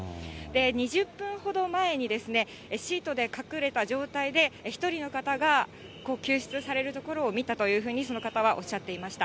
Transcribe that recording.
２０分ほど前に、シートで隠れた状態で、１人の方が救出されるところを見たというふうに、その方はおっしゃっていました。